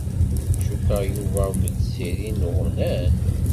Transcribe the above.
Cukkeɣ Yuba akked Tiziri nnuɣnan.